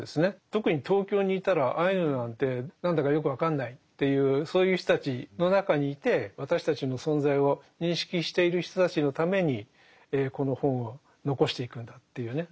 特に東京にいたらアイヌなんて何だかよく分かんないっていうそういう人たちの中にいて私たちの存在を認識している人たちのためにこの本を残していくんだっていうね